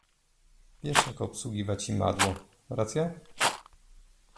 Wiesz, jak obsługiwać imadło, racja?